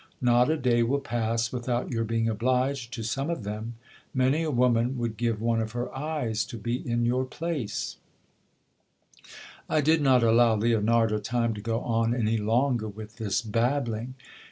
Not a day will pass without your being obliged to some of them. Many a woman would give one of her eyes to be in your place. GIL BLAS ESCAPES WITH THE LAD Y. I did not allow Leonarda time to go on any longer with this babbling.